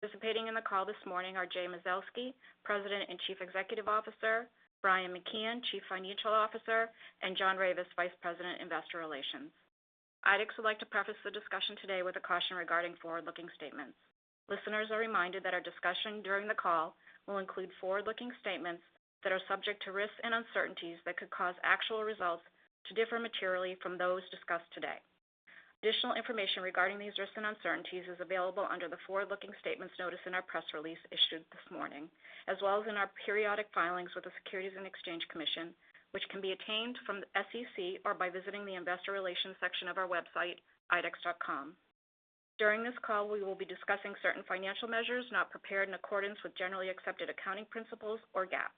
Participating in the call this morning are Jay Mazelsky, President and Chief Executive Officer, Brian McKeon, Chief Financial Officer, and John Ravis, Vice President, Investor Relations. IDEXX would like to preface the discussion today with a caution regarding forward-looking statements. Listeners are reminded that our discussion during the call will include forward-looking statements that are subject to risks and uncertainties that could cause actual results to differ materially from those discussed today. Additional information regarding these risks and uncertainties is available under the forward-looking statements notice in our press release issued this morning, as well as in our periodic filings with the Securities and Exchange Commission, which can be obtained from the SEC or by visiting the Investor Relations section of our website, idexx.com. During this call, we will be discussing certain financial measures not prepared in accordance with generally accepted accounting principles, or GAAP.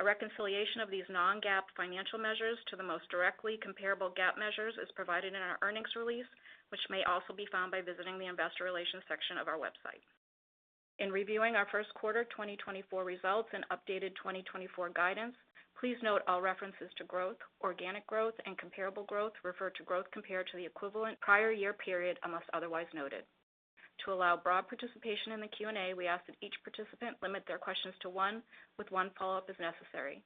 A reconciliation of these non-GAAP financial measures to the most directly comparable GAAP measures is provided in our earnings release, which may also be found by visiting the Investor Relations section of our website. In reviewing our first quarter 2024 results and updated 2024 guidance, please note all references to growth, organic growth, and comparable growth refer to growth compared to the equivalent prior year period, unless otherwise noted. To allow broad participation in the Q&A, we ask that each participant limit their questions to one, with one follow-up as necessary.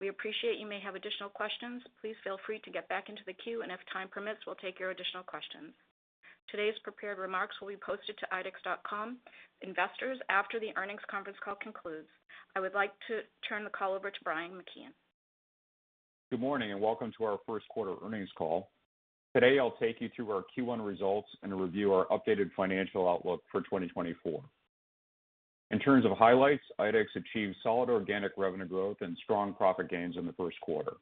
We appreciate you may have additional questions. Please feel free to get back into the queue, and if time permits, we'll take your additional questions. Today's prepared remarks will be posted to idexx.com/investors after the earnings conference call concludes. I would like to turn the call over to Brian McKeon. Good morning, and welcome to our first quarter earnings call. Today, I'll take you through our Q1 results and review our updated financial outlook for 2024. In terms of highlights, IDEXX achieved solid organic revenue growth and strong profit gains in the first quarter.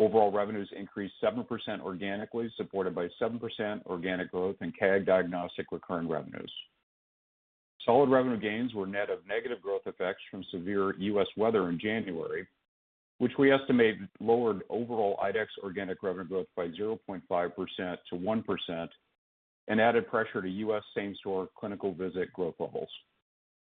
Overall revenues increased 7% organically, supported by 7% organic growth in CAG Diagnostic recurring revenues. Solid revenue gains were net of negative growth effects from severe U.S. weather in January, which we estimate lowered overall IDEXX organic revenue growth by 0.5%-1% and added pressure to U.S. same-store clinical visit growth levels.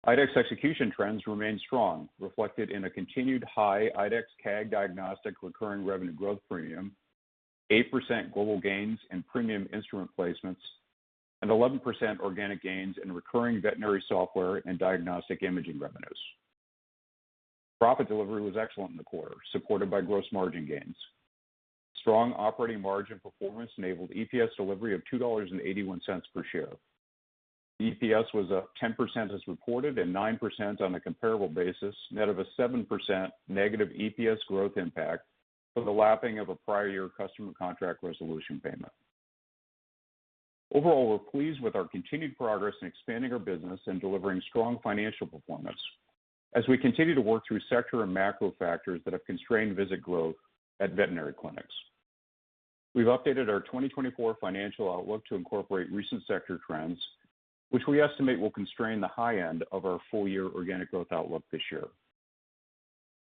IDEXX execution trends remained strong, reflected in a continued high IDEXX CAG Diagnostic recurring revenue growth premium, 8% global gains and premium instrument placements, and 11% organic gains in recurring veterinary software and diagnostic imaging revenues. Profit delivery was excellent in the quarter, supported by gross margin gains. Strong operating margin performance enabled EPS delivery of $2.81 per share. EPS was up 10% as reported, and 9% on a comparable basis, net of a 7%- EPS growth impact from the lapping of a prior year customer contract resolution payment. Overall, we're pleased with our continued progress in expanding our business and delivering strong financial performance as we continue to work through sector and macro factors that have constrained visit growth at veterinary clinics. We've updated our 2024 financial outlook to incorporate recent sector trends, which we estimate will constrain the high end of our full-year organic growth outlook this year.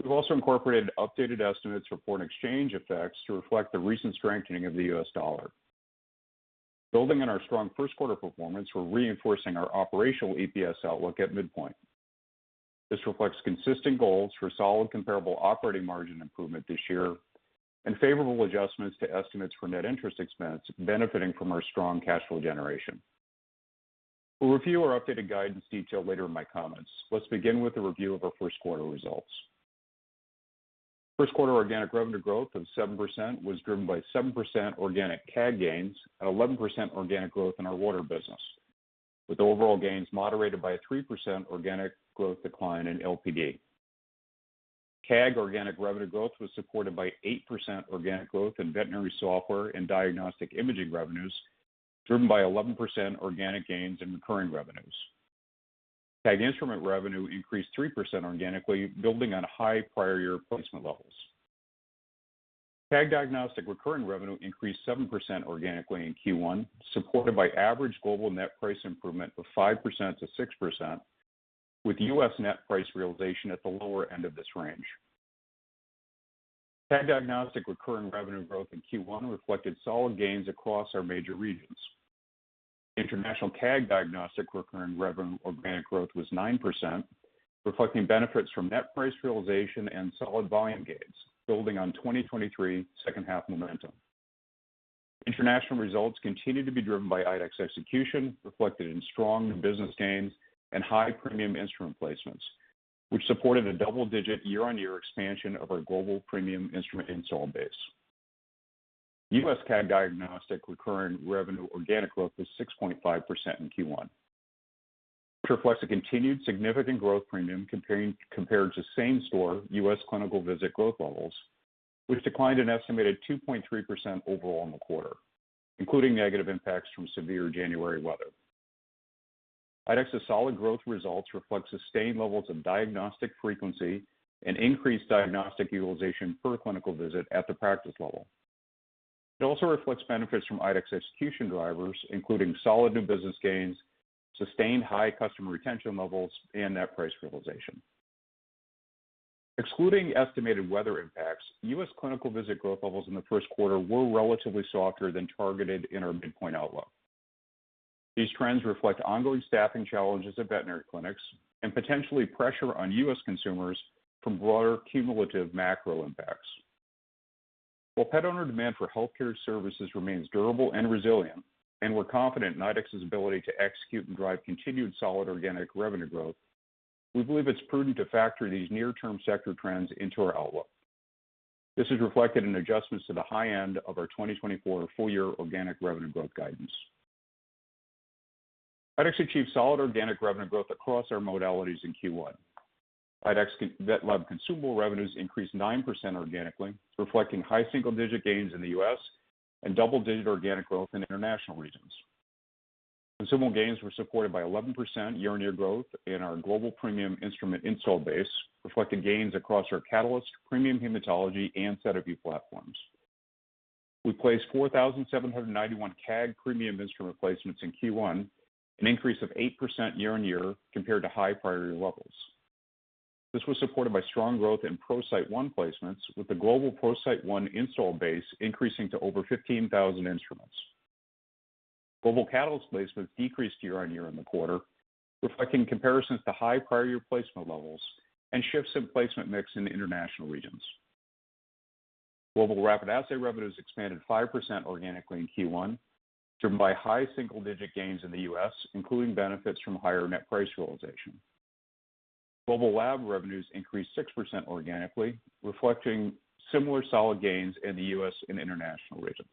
We've also incorporated updated estimates for foreign exchange effects to reflect the recent strengthening of the U.S. dollar. Building on our strong first quarter performance, we're reinforcing our operational EPS outlook at midpoint. This reflects consistent goals for solid comparable operating margin improvement this year and favorable adjustments to estimates for net interest expense, benefiting from our strong cash flow generation. We'll review our updated guidance detail later in my comments. Let's begin with a review of our first quarter results. First quarter organic revenue growth of 7% was driven by 7% organic CAG gains and 11% organic growth in our water business, with overall gains moderated by a 3% organic growth decline in LPD. CAG organic revenue growth was supported by 8% organic growth in veterinary software and diagnostic imaging revenues, driven by 11% organic gains in recurring revenues. CAG instrument revenue increased 3% organically, building on high prior year placement levels. CAG Diagnostic recurring revenue increased 7% organically in Q1, supported by average global net price improvement of 5%-6%, with U.S. net price realization at the lower end of this range. CAG Diagnostic recurring revenue growth in Q1 reflected solid gains across our major regions. International CAG Diagnostic recurring revenue organic growth was 9%, reflecting benefits from net price realization and solid volume gains, building on 2023 second half momentum. International results continued to be driven by IDEXX execution, reflected in strong business gains and high premium instrument placements, which supported a double-digit year-on-year expansion of our global premium instrument install base. U.S. CAG Diagnostic recurring revenue organic growth was 6.5% in Q1, which reflects a continued significant growth premium compared to same-store U.S. clinical visit growth levels, which declined an estimated 2.3% overall in the quarter, including negative impacts from severe January weather. IDEXX's solid growth results reflect sustained levels of diagnostic frequency and increased diagnostic utilization per clinical visit at the practice level. It also reflects benefits from IDEXX execution drivers, including solid new business gains, sustained high customer retention levels, and net price realization. Excluding estimated weather impacts, U.S. clinical visit growth levels in the first quarter were relatively softer than targeted in our midpoint outlook. These trends reflect ongoing staffing challenges at veterinary clinics and potentially pressure on U.S. consumers from broader cumulative macro impacts. While pet owner demand for healthcare services remains durable and resilient, and we're confident IDEXX's ability to execute and drive continued solid organic revenue growth, we believe it's prudent to factor these near-term sector trends into our outlook. This is reflected in adjustments to the high end of our 2024 full year organic revenue growth guidance. IDEXX achieved solid organic revenue growth across our modalities in Q1. IDEXX VetLab consumable revenues increased 9% organically, reflecting high single-digit gains in the U.S. and double-digit organic growth in international regions. Consumable gains were supported by 11% year-on-year growth in our global premium instrument install base, reflecting gains across our Catalyst, premium hematology, and SediVue Dx platforms. We placed 4,791 CAG premium instrument replacements in Q1, an increase of 8% year-on-year compared to high prior year levels. This was supported by strong growth in ProCyte One placements, with the global ProCyte One install base increasing to over 15,000 instruments. Global Catalyst placements decreased year-on-year in the quarter, reflecting comparisons to high prior year placement levels and shifts in placement mix in the international regions. Global rapid assay revenues expanded 5% organically in Q1, driven by high single-digit gains in the U.S., including benefits from higher net price realization. Global lab revenues increased 6% organically, reflecting similar solid gains in the U.S. and international regions.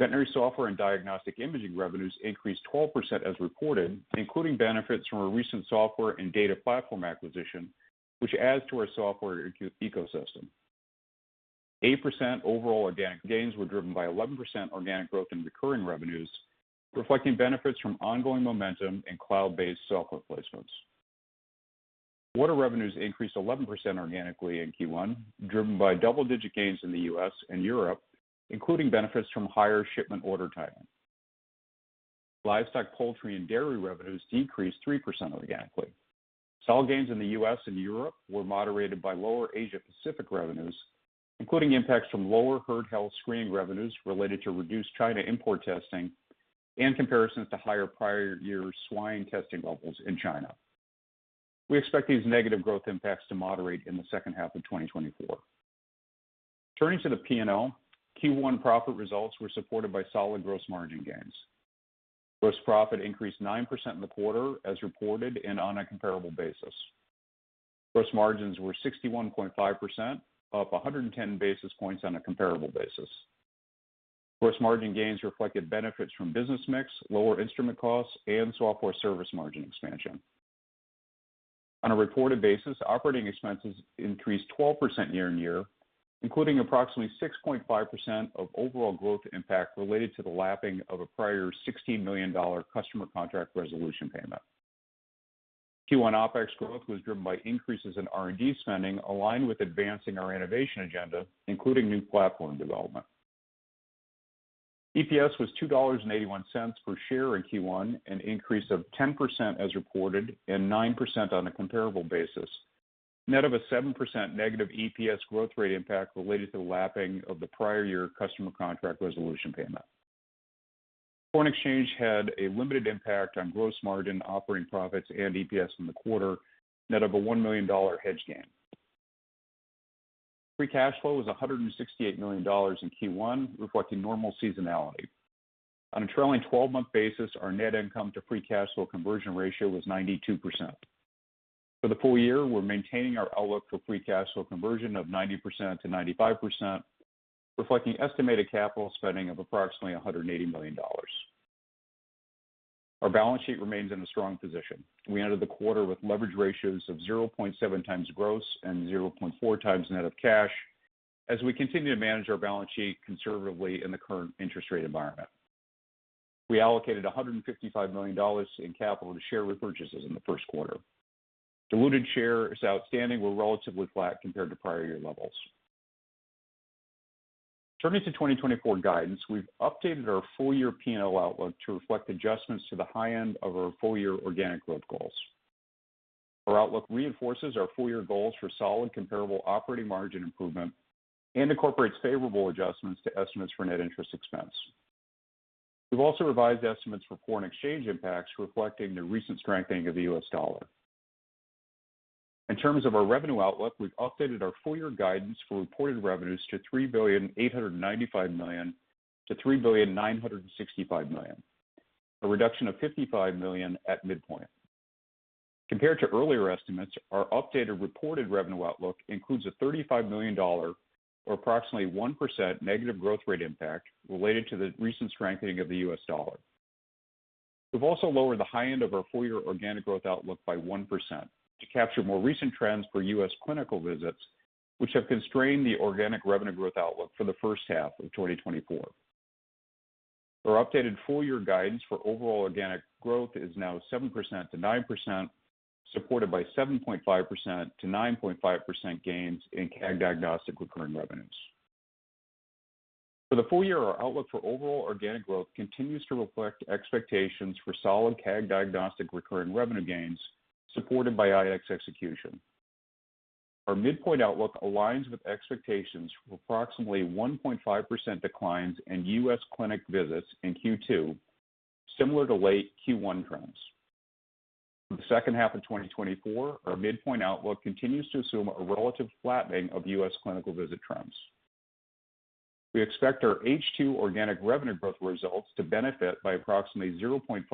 Veterinary software and diagnostic imaging revenues increased 12% as reported, including benefits from our recent software and data platform acquisition, which adds to our software ecosystem. 8% overall organic gains were driven by 11% organic growth in recurring revenues, reflecting benefits from ongoing momentum and cloud-based software placements. Water revenues increased 11% organically in Q1, driven by double-digit gains in the U.S. and Europe, including benefits from higher shipment order timing. Livestock, Poultry and Dairy revenues decreased 3% organically. Solid gains in the U.S. and Europe were moderated by lower Asia Pacific revenues, including impacts from lower herd health screening revenues related to reduced China import testing, and comparisons to higher prior year swine testing levels in China. We expect these negative growth impacts to moderate in the second half of 2024. Turning to the P&L, Q1 profit results were supported by solid gross margin gains. Gross profit increased 9% in the quarter as reported and on a comparable basis. Gross margins were 61.5%, up 110 basis points on a comparable basis. Gross margin gains reflected benefits from business mix, lower instrument costs and software service margin expansion. On a reported basis, operating expenses increased 12% year-on-year, including approximately 6.5% of overall growth impact related to the lapping of a prior $16 million customer contract resolution payment. Q1 OpEx growth was driven by increases in R&D spending, aligned with advancing our innovation agenda, including new platform development. EPS was $2.81 per share in Q1, an increase of 10% as reported, and 9% on a comparable basis, net of a 7%- EPS growth rate impact related to the lapping of the prior year customer contract resolution payment. Foreign exchange had a limited impact on gross margin, operating profits and EPS in the quarter, net of a $1 million hedge gain. Free cash flow was $168 million in Q1, reflecting normal seasonality. On a trailing twelve-month basis, our net income to free cash flow conversion ratio was 92%. For the full year, we're maintaining our outlook for free cash flow conversion of 90%-95%, reflecting estimated capital spending of approximately $180 million. Our balance sheet remains in a strong position. We ended the quarter with leverage ratios of 0.7x gross and 0.4x net of cash as we continue to manage our balance sheet conservatively in the current interest rate environment. We allocated $155 million in capital to share repurchases in the first quarter. Diluted shares outstanding were relatively flat compared to prior year levels. Turning to 2024 guidance, we've updated our full year P&L outlook to reflect adjustments to the high end of our full year organic growth goals. Our outlook reinforces our full year goals for solid comparable operating margin improvement and incorporates favorable adjustments to estimates for net interest expense. We've also revised estimates for foreign exchange impacts, reflecting the recent strengthening of the U.S. dollar. In terms of our revenue outlook, we've updated our full year guidance for reported revenues to $3.895 billion-$3.965 billion, a reduction of $55 million at midpoint. Compared to earlier estimates, our updated reported revenue outlook includes a $35 million, or approximately 1%- growth rate impact, related to the recent strengthening of the U.S. dollar. We've also lowered the high end of our full year organic growth outlook by 1% to capture more recent trends for U.S. clinical visits, which have constrained the organic revenue growth outlook for the first half of 2024. Our updated full year guidance for overall organic growth is now 7%-9%, supported by 7.5%-9.5% gains in CAG Diagnostic recurring revenues. For the full year, our outlook for overall organic growth continues to reflect expectations for solid CAG Diagnostic recurring revenue gains supported by IDEXX execution. Our midpoint outlook aligns with expectations for approximately 1.5% declines in U.S. clinic visits in Q2, similar to late Q1 trends. For the second half of 2024, our midpoint outlook continues to assume a relative flattening of U.S. clinical visit trends. We expect our H2 organic revenue growth results to benefit by approximately 0.5%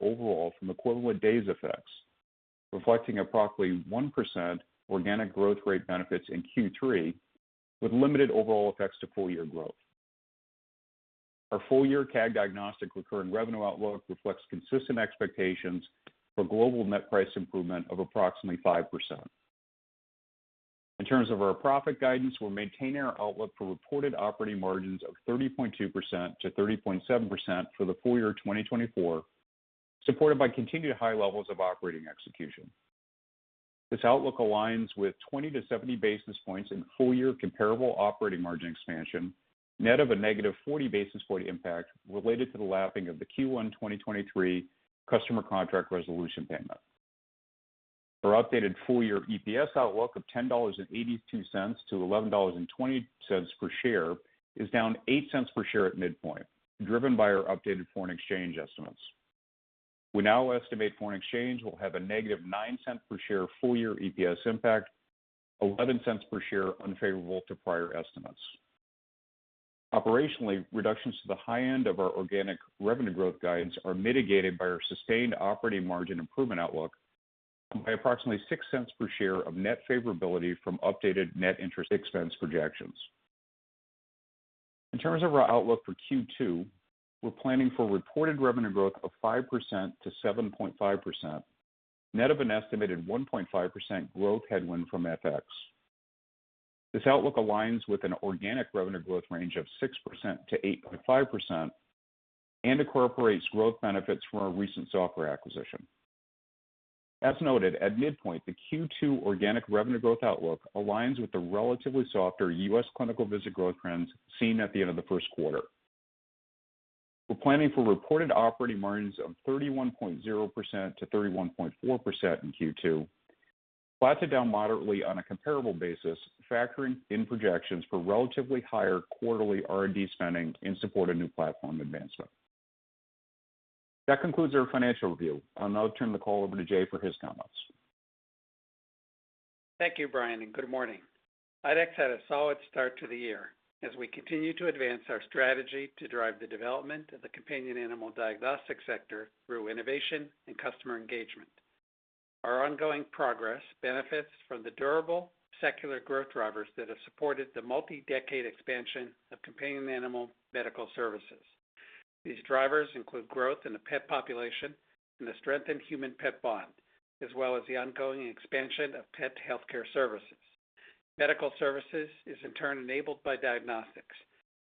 overall from equivalent days effects, reflecting approximately 1% organic growth rate benefits in Q3, with limited overall effects to full year growth. Our full-year CAG Diagnostics recurring revenue outlook reflects consistent expectations for global net price improvement of approximately 5%. In terms of our profit guidance, we're maintaining our outlook for reported operating margins of 30.2%-30.7% for the full year 2024, supported by continued high levels of operating execution. This outlook aligns with 20-70 basis points in full year comparable operating margin expansion, net of a -40 basis point impact related to the lapping of the Q1 2023 customer contract resolution payment. Our updated full-year EPS outlook of $10.82-$11.20 per share is down $0.08 per share at midpoint, driven by our updated foreign exchange estimates. We now estimate foreign exchange will have a -$0.09 per share full-year EPS impact, $0.11 per share unfavorable to prior estimates. Operationally, reductions to the high end of our organic revenue growth guidance are mitigated by our sustained operating margin improvement outlook by approximately $0.06 per share of net favorability from updated net interest expense projections. In terms of our outlook for Q2, we're planning for reported revenue growth of 5%-7.5%, net of an estimated 1.5% growth headwind from FX. This outlook aligns with an organic revenue growth range of 6%-8.5% and incorporates growth benefits from our recent software acquisition. As noted, at midpoint, the Q2 organic revenue growth outlook aligns with the relatively softer U.S. clinical visit growth trends seen at the end of the first quarter. We're planning for reported operating margins of 31.0%-31.4% in Q2, flat to down moderately on a comparable basis, factoring in projections for relatively higher quarterly R&D spending in support of new platform advancement. That concludes our financial review. I'll now turn the call over to Jay for his comments. Thank you, Brian, and good morning. IDEXX had a solid start to the year as we continue to advance our strategy to drive the development of the companion animal diagnostic sector through innovation and customer engagement. Our ongoing progress benefits from the durable secular growth drivers that have supported the multi-decade expansion of companion animal medical services. These drivers include growth in the pet population and the strengthened human-pet bond, as well as the ongoing expansion of pet healthcare services. Medical services is in turn enabled by diagnostics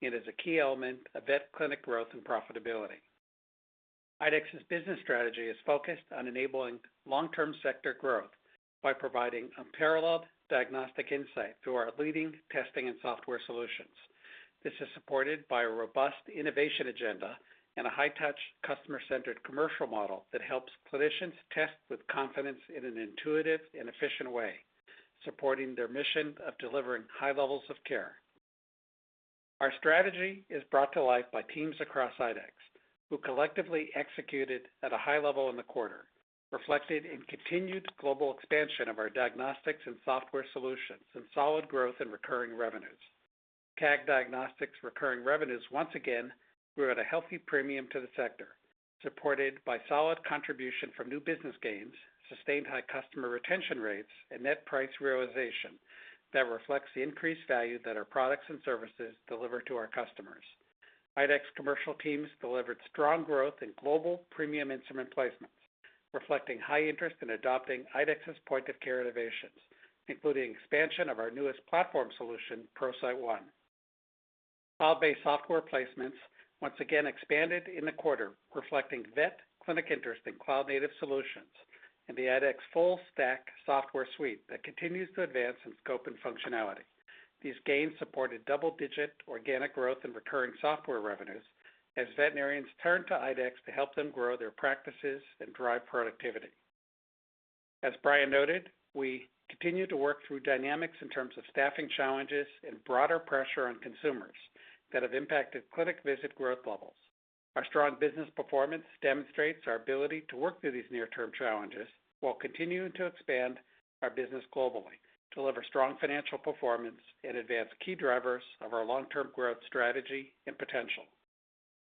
and is a key element of vet clinic growth and profitability. IDEXX's business strategy is focused on enabling long-term sector growth by providing unparalleled diagnostic insight through our leading testing and software solutions. This is supported by a robust innovation agenda and a high-touch, customer-centered commercial model that helps clinicians test with confidence in an intuitive and efficient way, supporting their mission of delivering high levels of care. Our strategy is brought to life by teams across IDEXX, who collectively executed at a high level in the quarter, reflected in continued global expansion of our diagnostics and software solutions and solid growth in recurring revenues. CAG Diagnostics recurring revenues once again grew at a healthy premium to the sector, supported by solid contribution from new business gains, sustained high customer retention rates, and net price realization that reflects the increased value that our products and services deliver to our customers. IDEXX commercial teams delivered strong growth in global premium instrument placements, reflecting high interest in adopting IDEXX's point-of-care innovations, including expansion of our newest platform solution, ProCyte One. Cloud-based software placements once again expanded in the quarter, reflecting vet clinic interest in cloud-native solutions and the IDEXX full stack software suite that continues to advance in scope and functionality. These gains supported double-digit organic growth in recurring software revenues as veterinarians turn to IDEXX to help them grow their practices and drive productivity. As Brian noted, we continue to work through dynamics in terms of staffing challenges and broader pressure on consumers that have impacted clinic visit growth levels. Our strong business performance demonstrates our ability to work through these near-term challenges while continuing to expand our business globally, deliver strong financial performance, and advance key drivers of our long-term growth strategy and potential.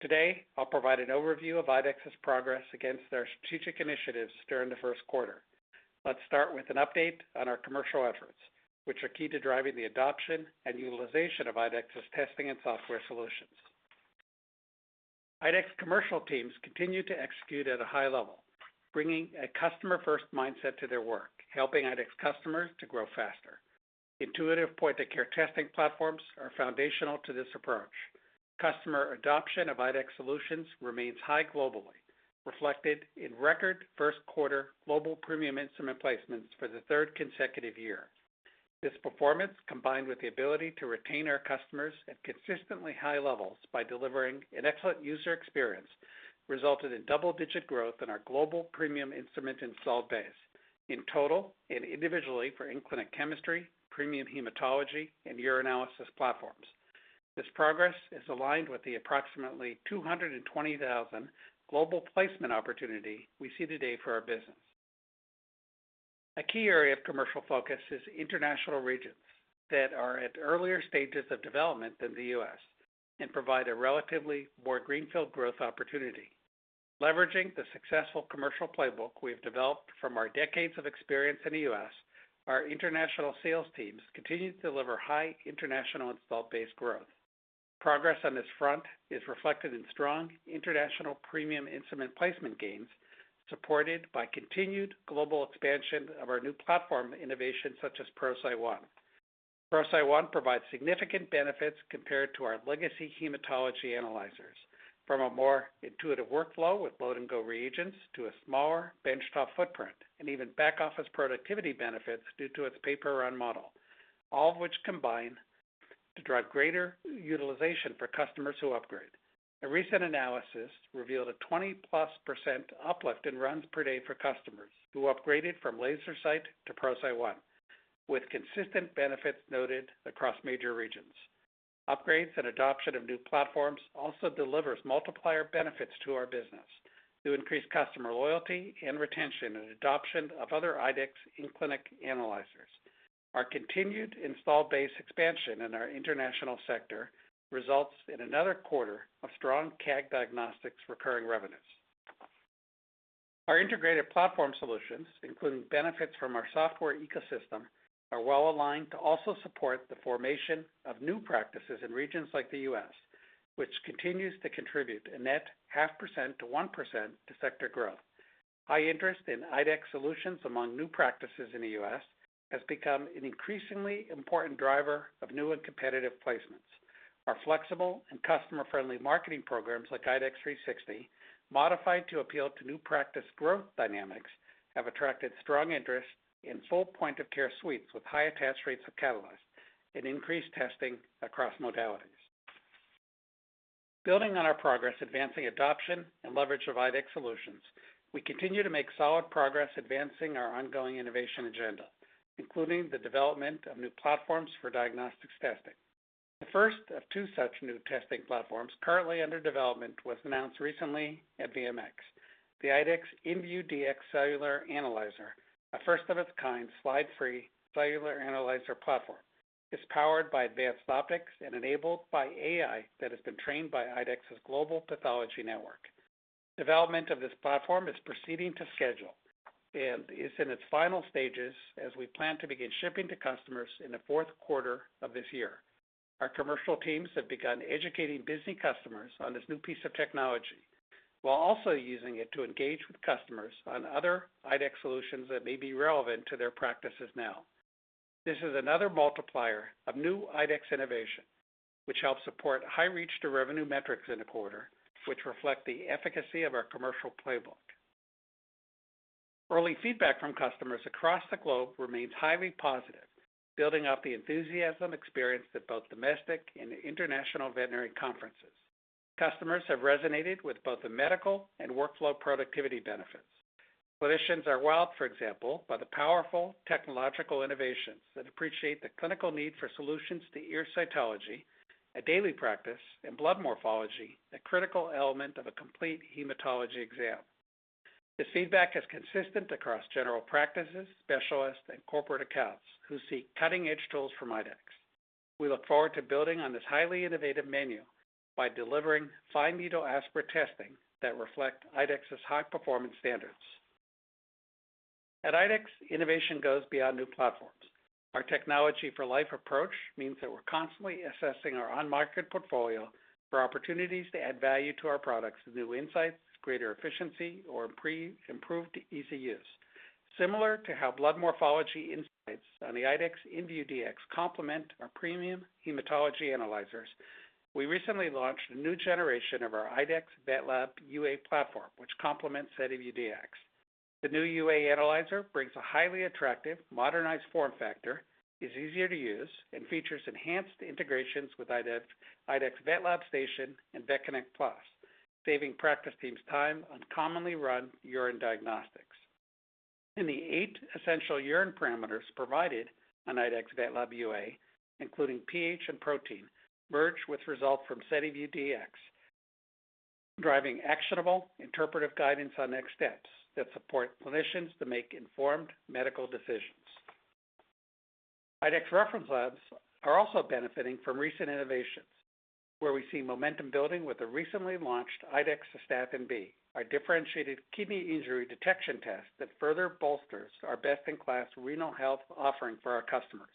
Today, I'll provide an overview of IDEXX's progress against our strategic initiatives during the first quarter. Let's start with an update on our commercial efforts, which are key to driving the adoption and utilization of IDEXX's testing and software solutions. IDEXX commercial teams continue to execute at a high level, bringing a customer-first mindset to their work, helping IDEXX customers to grow faster. Intuitive point-of-care testing platforms are foundational to this approach. Customer adoption of IDEXX solutions remains high globally, reflected in record first quarter global premium instrument placements for the third consecutive year. This performance, combined with the ability to retain our customers at consistently high levels by delivering an excellent user experience, resulted in double-digit growth in our global premium instrument installed base in total and individually for in-clinic chemistry, premium hematology, and urinalysis platforms. This progress is aligned with the approximately 220,000 global placement opportunity we see today for our business. A key area of commercial focus is international regions that are at earlier stages of development than the U.S. and provide a relatively more greenfield growth opportunity. Leveraging the successful commercial playbook we have developed from our decades of experience in the U.S., our international sales teams continue to deliver high international installed base growth. Progress on this front is reflected in strong international premium instrument placement gains, supported by continued global expansion of our new platform innovations such as ProCyte One. ProCyte One provides significant benefits compared to our legacy hematology analyzers, from a more intuitive workflow with load-and-go reagents, to a smaller bench-top footprint, and even back-office productivity benefits due to its pay-per-run model, all of which combine to drive greater utilization for customers who upgrade. A recent analysis revealed a 20%+ uplift in runs per day for customers who upgraded from LaserCyte to ProCyte One, with consistent benefits noted across major regions. Upgrades and adoption of new platforms also delivers multiplier benefits to our business through increased customer loyalty and retention, and adoption of other IDEXX in-clinic analyzers. Our continued installed base expansion in our international sector results in another quarter of strong CAG Diagnostics recurring revenues. Our integrated platform solutions, including benefits from our software ecosystem, are well aligned to also support the formation of new practices in regions like the U.S., which continues to contribute a net 0.5%-1% to sector growth. High interest in IDEXX solutions among new practices in the U.S. has become an increasingly important driver of new and competitive placements. Our flexible and customer-friendly marketing programs, like IDEXX 360, modified to appeal to new practice growth dynamics, have attracted strong interest in full point-of-care suites, with high attach rates of Catalyst and increased testing across modalities. Building on our progress advancing adoption and leverage of IDEXX solutions, we continue to make solid progress advancing our ongoing innovation agenda, including the development of new platforms for diagnostics testing. The first of two such new testing platforms currently under development was announced recently at VMX. The IDEXX inVue Dx Cellular Analyzer, a first-of-its-kind, slide-free cellular analyzer platform, is powered by advanced optics and enabled by AI that has been trained by IDEXX's global pathology network. Development of this platform is proceeding to schedule and is in its final stages as we plan to begin shipping to customers in the fourth quarter of this year. Our commercial teams have begun educating busy customers on this new piece of technology, while also using it to engage with customers on other IDEXX solutions that may be relevant to their practices now. This is another multiplier of new IDEXX innovation, which helps support high reach to revenue metrics in the quarter, which reflect the efficacy of our commercial playbook. Early feedback from customers across the globe remains highly positive, building off the enthusiasm experienced at both domestic and international veterinary conferences. Customers have resonated with both the medical and workflow productivity benefits. Clinicians are wowed, for example, by the powerful technological innovations that appreciate the clinical need for solutions to ear cytology, a daily practice, and blood morphology, a critical element of a complete hematology exam. This feedback is consistent across general practices, specialists, and corporate accounts who seek cutting-edge tools from IDEXX. We look forward to building on this highly innovative menu by delivering fine needle aspirate testing that reflect IDEXX's high-performance standards. At IDEXX, innovation goes beyond new platforms. Our technology for life approach means that we're constantly assessing our on-market portfolio for opportunities to add value to our products, with new insights, greater efficiency, or pre-improved easy use. Similar to how blood morphology insights on the IDEXX inVue Dx complement our premium hematology analyzers, we recently launched a new generation of our IDEXX VetLab UA platform, which complements SediVue Dx. The new UA analyzer brings a highly attractive, modernized form factor, is easier to use, and features enhanced integrations with IDEXX VetLab Station and VetConnect PLUS, saving practice teams time on commonly run urine diagnostics. In the eight essential urine parameters provided on IDEXX VetLab UA, including pH and protein, merge with results from SediVue Dx, driving actionable interpretive guidance on next steps that support clinicians to make informed medical decisions. IDEXX reference labs are also benefiting from recent innovations, where we see momentum building with the recently launched IDEXX Cystatin B, our differentiated kidney injury detection test that further bolsters our best-in-class renal health offering for our customers.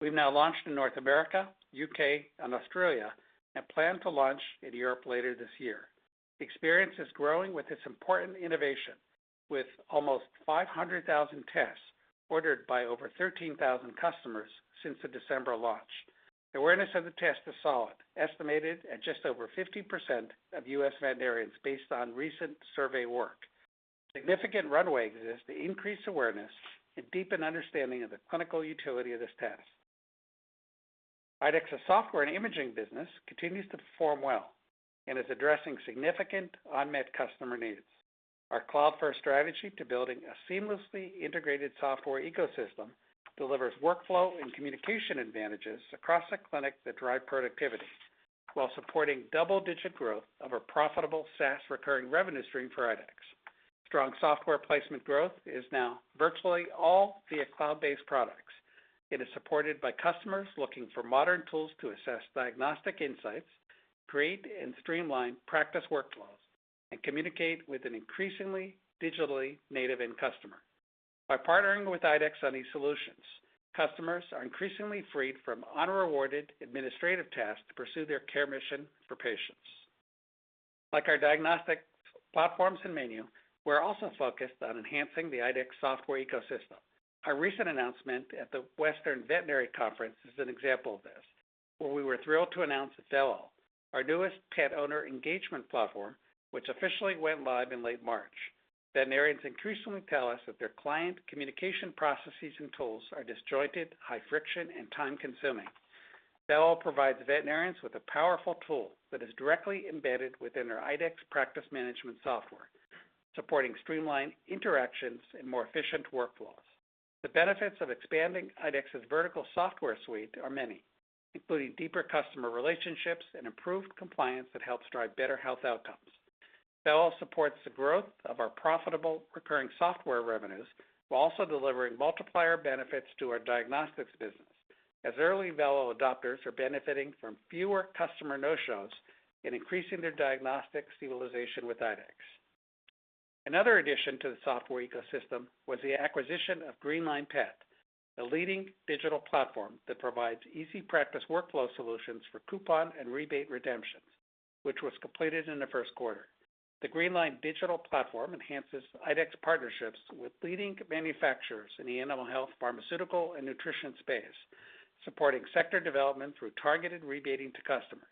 We've now launched in North America, U.K., and Australia, and plan to launch in Europe later this year. Experience is growing with this important innovation, with almost 500,000 tests ordered by over 13,000 customers since the December launch. Awareness of the test is solid, estimated at just over 50% of U.S. veterinarians, based on recent survey work. Significant runway exists to increase awareness and deepen understanding of the clinical utility of this test. IDEXX's software and imaging business continues to perform well and is addressing significant unmet customer needs. Our cloud-first strategy to building a seamlessly integrated software ecosystem delivers workflow and communication advantages across the clinic that drive productivity, while supporting double-digit growth of our profitable SaaS recurring revenue stream for IDEXX. Strong software placement growth is now virtually all via cloud-based products. It is supported by customers looking for modern tools to assess diagnostic insights, create and streamline practice workflows, and communicate with an increasingly digitally native end customer. By partnering with IDEXX on these solutions, customers are increasingly freed from unrewarded administrative tasks to pursue their care mission for patients. Like our diagnostic platforms and menu, we're also focused on enhancing the IDEXX software ecosystem. Our recent announcement at the Western Veterinary Conference is an example of this, where we were thrilled to announce Vello, our newest pet owner engagement platform, which officially went live in late March. Veterinarians increasingly tell us that their client communication processes and tools are disjointed, high friction, and time-consuming. Vello provides veterinarians with a powerful tool that is directly embedded within their IDEXX practice management software, supporting streamlined interactions and more efficient workflows. The benefits of expanding IDEXX's vertical software suite are many, including deeper customer relationships and improved compliance that helps drive better health outcomes. Vello supports the growth of our profitable recurring software revenues, while also delivering multiplier benefits to our diagnostics business, as early Vello adopters are benefiting from fewer customer no-shows and increasing their diagnostic utilization with IDEXX. Another addition to the software ecosystem was the acquisition of Greenline Pet, a leading digital platform that provides easy practice workflow solutions for coupon and rebate redemptions, which was completed in the first quarter. The Greenline digital platform enhances IDEXX partnerships with leading manufacturers in the animal health, pharmaceutical, and nutrition space, supporting sector development through targeted rebating to customers,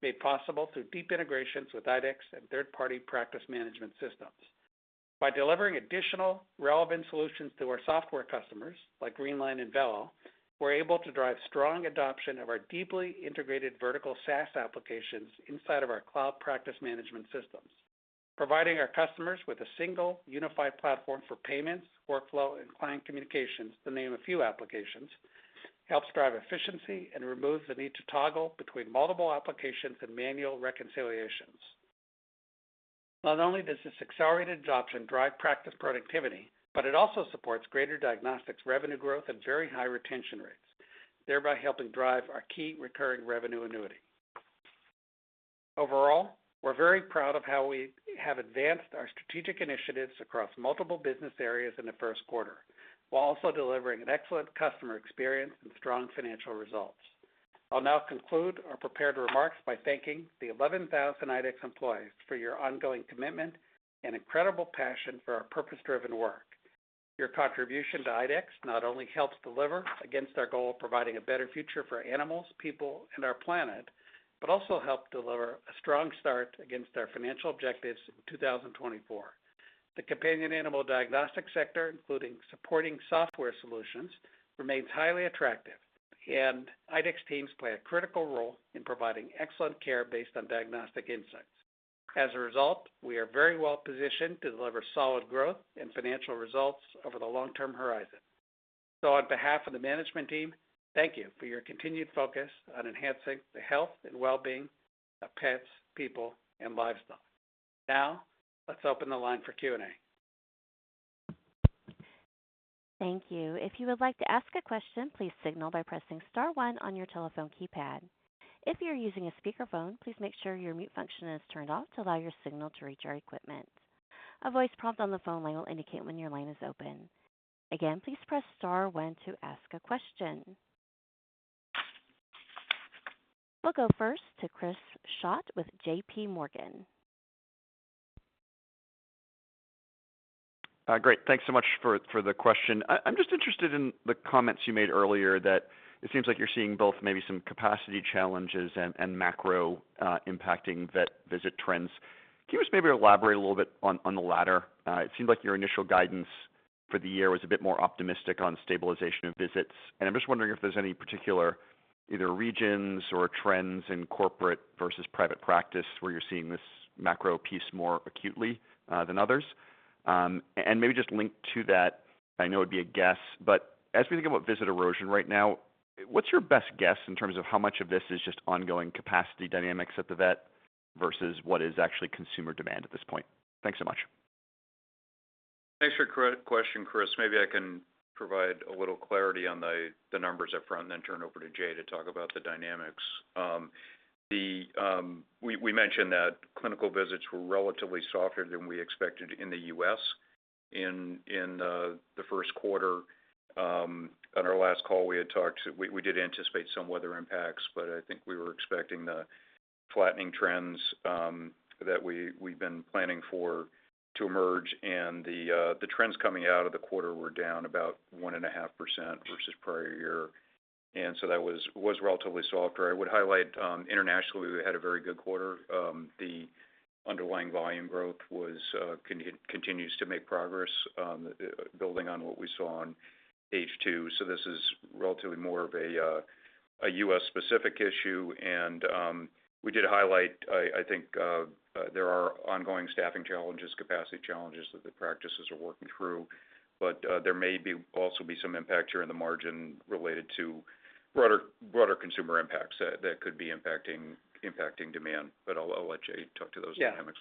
made possible through deep integrations with IDEXX and third-party practice management systems. By delivering additional relevant solutions to our software customers, like Greenline and Vello, we're able to drive strong adoption of our deeply integrated vertical SaaS applications inside of our cloud practice management systems. Providing our customers with a single, unified platform for payments, workflow, and client communications, to name a few applications, helps drive efficiency and removes the need to toggle between multiple applications and manual reconciliations. Not only does this accelerated adoption drive practice productivity, but it also supports greater diagnostics revenue growth at very high retention rates, thereby helping drive our key recurring revenue annuity. Overall, we're very proud of how we have advanced our strategic initiatives across multiple business areas in the first quarter, while also delivering an excellent customer experience and strong financial results. I'll now conclude our prepared remarks by thanking the 11,000 IDEXX employees for your ongoing commitment and incredible passion for our purpose-driven work. Your contribution to IDEXX not only helps deliver against our goal of providing a better future for animals, people, and our planet, but also help deliver a strong start against our financial objectives in 2024. The companion animal diagnostic sector, including supporting software solutions, remains highly attractive, and IDEXX teams play a critical role in providing excellent care based on diagnostic insights. As a result, we are very well positioned to deliver solid growth and financial results over the long-term horizon. So on behalf of the management team, thank you for your continued focus on enhancing the health and well-being of pets, people, and livestock. Now, let's open the line for Q&A. Thank you. If you would like to ask a question, please signal by pressing star one on your telephone keypad. If you're using a speakerphone, please make sure your mute function is turned off to allow your signal to reach our equipment. A voice prompt on the phone line will indicate when your line is open. Again, please press star one to ask a question. We'll go first to Chris Schott with JPMorgan. Great, thanks so much for the question. I'm just interested in the comments you made earlier, that it seems like you're seeing both maybe some capacity challenges and macro impacting vet visit trends. Can you just maybe elaborate a little bit on the latter? It seemed like your initial guidance for the year was a bit more optimistic on stabilization of visits, and I'm just wondering if there's any particular either regions or trends in corporate versus private practice where you're seeing this macro piece more acutely than others. And maybe just linked to that, I know it'd be a guess, but as we think about visit erosion right now, what's your best guess in terms of how much of this is just ongoing capacity dynamics at the vet versus what is actually consumer demand at this point? Thanks so much. Thanks for your great question, Chris. Maybe I can provide a little clarity on the numbers up front, and then turn it over to Jay to talk about the dynamics. We mentioned that clinical visits were relatively softer than we expected in the U.S. in the first quarter. On our last call, we had talked. We did anticipate some weather impacts, but I think we were expecting the flattening trends that we've been planning for to emerge, and the trends coming out of the quarter were down about 1.5% versus prior year. And so that was relatively softer. I would highlight, internationally, we had a very good quarter. The-underlying volume growth continues to make progress, building on what we saw on H2. This is relatively more of a U.S.-specific issue. We did highlight, I think, there are ongoing staffing challenges, capacity challenges that the practices are working through. There may also be some impact here in the margin related to broader consumer impacts that could be impacting demand. I'll let Jay talk to those dynamics.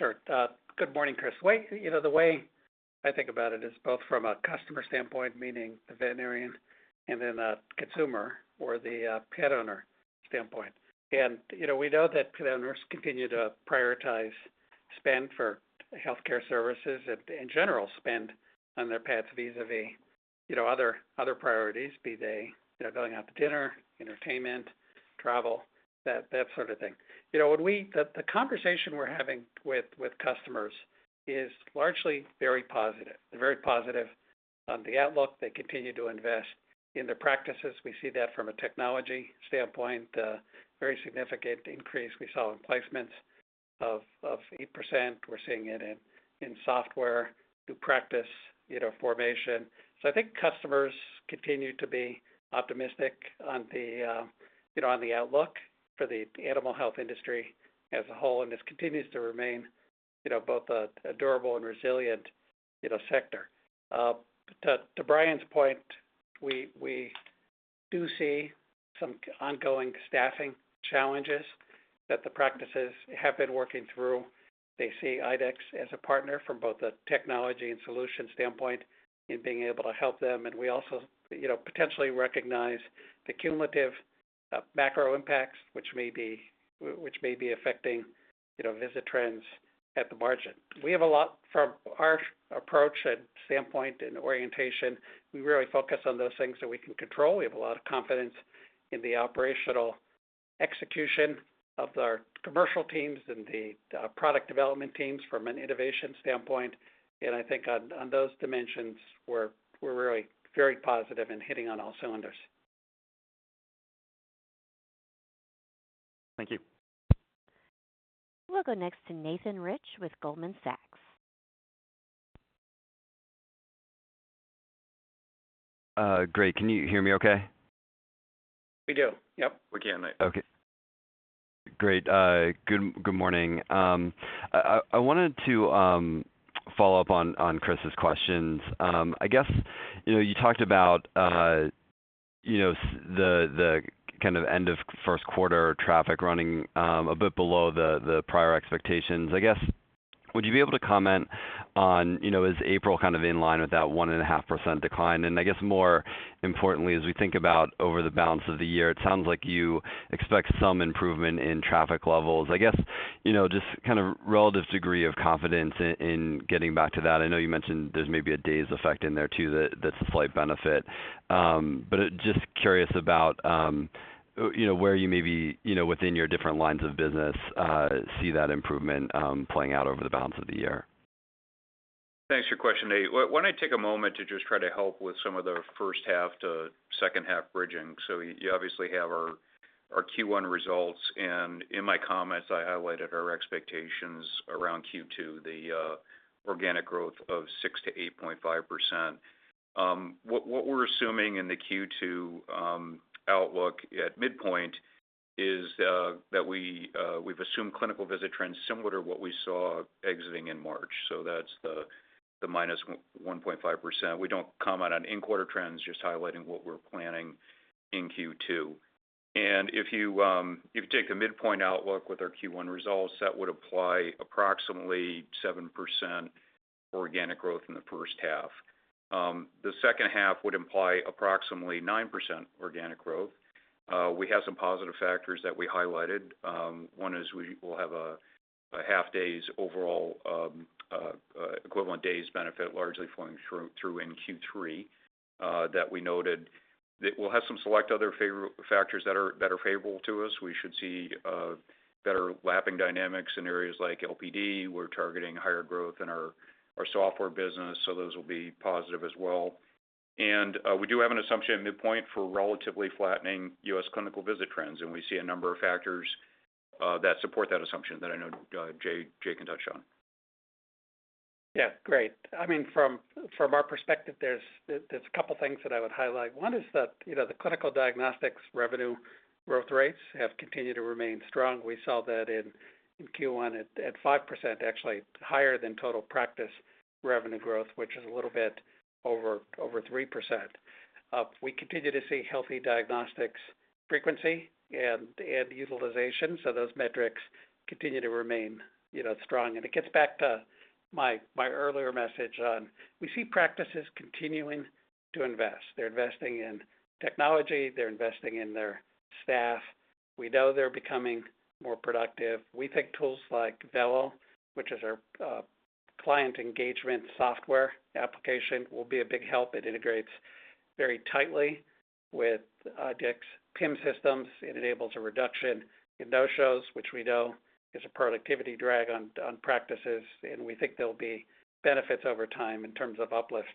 Yeah. Sure. Good morning, Chris. Well, you know, the way I think about it is both from a customer standpoint, meaning the veterinarian, and then a consumer or the pet owner standpoint. And, you know, we know that pet owners continue to prioritize spend for healthcare services, and in general spend on their pets, vis-à-vis, you know, other priorities, be they, you know, going out to dinner, entertainment, travel, that sort of thing. You know, the conversation we're having with customers is largely very positive. They're very positive on the outlook. They continue to invest in their practices. We see that from a technology standpoint, very significant increase we saw in placements of 8%. We're seeing it in software to practice, you know, formation. So I think customers continue to be optimistic on the, you know, on the outlook for the, the animal health industry as a whole, and this continues to remain, you know, both a durable and resilient, you know, sector. To Brian's point, we do see some ongoing staffing challenges that the practices have been working through. They see IDEXX as a partner from both a technology and solution standpoint in being able to help them. And we also, you know, potentially recognize the cumulative, macro impacts, which may be affecting, you know, visit trends at the margin. We have a lot from our approach and standpoint and orientation. We really focus on those things that we can control. We have a lot of confidence in the operational execution of our commercial teams and the, product development teams from an innovation standpoint. I think on those dimensions, we're really very positive in firing on all cylinders. Thank you. We'll go next to Nathan Rich with Goldman Sachs. Great. Can you hear me okay? We do. Yep. We can, Nate. Okay, great. Good morning. I wanted to follow up on Chris's questions. I guess, you know, you talked about, you know, the kind of end of first quarter traffic running a bit below the prior expectations. I guess, would you be able to comment on, you know, is April kind of in line with that 1.5% decline? And I guess more importantly, as we think about over the balance of the year, it sounds like you expect some improvement in traffic levels. I guess, you know, just kind of relative degree of confidence in getting back to that. I know you mentioned there's maybe a days effect in there, too, that's a slight benefit. Just curious about, you know, where you may be, you know, within your different lines of business, see that improvement playing out over the balance of the year? Thanks for your question, Nate. Why don't I take a moment to just try to help with some of the first half to second half bridging? So you obviously have our Q1 results, and in my comments, I highlighted our expectations around Q2, organic growth of 6%-8.5%. What we're assuming in the Q2 outlook at midpoint is that we've assumed clinical visit trends similar to what we saw exiting in March. So that's the -1.5%. We don't comment on in-quarter trends, just highlighting what we're planning in Q2. And if you take a midpoint outlook with our Q1 results, that would apply approximately 7% organic growth in the first half. The second half would imply approximately 9% organic growth. We have some positive factors that we highlighted. One is we will have a half days overall equivalent days benefit largely flowing through in Q3 that we noted. That we'll have some select other factors that are favorable to us. We should see better lapping dynamics in areas like LPD. We're targeting higher growth in our software business, so those will be positive as well. We do have an assumption at midpoint for relatively flattening U.S. clinical visit trends, and we see a number of factors that support that assumption that I know Jay can touch on. Yeah, great. I mean, from our perspective, there's a couple things that I would highlight. One is that, you know, the clinical diagnostics revenue growth rates have continued to remain strong. We saw that in Q1 at 5%, actually higher than total practice revenue growth, which is a little bit over 3%. We continue to see healthy diagnostics frequency and utilization, so those metrics continue to remain, you know, strong. And it gets back to my earlier message on, we see practices continuing to invest. They're investing in technology, they're investing in their staff. We know they're becoming more productive. We think tools like Vello, which is our client engagement software application, will be a big help. It integrates very tightly with IDEXX PIMS system. It enables a reduction in no-shows, which we know is a productivity drag on practices, and we think there'll be benefits over time in terms of uplift...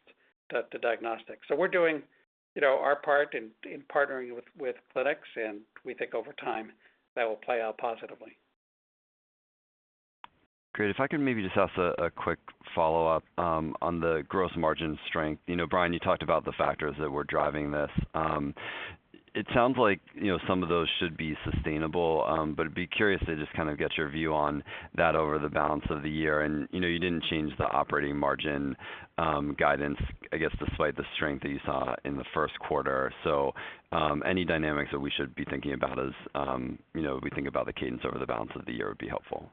the diagnostics. So we're doing, you know, our part in partnering with clinics, and we think over time, that will play out positively. Great. If I could maybe just ask a quick follow-up on the gross margin strength. You know, Brian, you talked about the factors that were driving this. It sounds like, you know, some of those should be sustainable, but I'd be curious to just kind of get your view on that over the balance of the year. And, you know, you didn't change the operating margin guidance, I guess, despite the strength that you saw in the first quarter. So, any dynamics that we should be thinking about as, you know, we think about the cadence over the balance of the year would be helpful.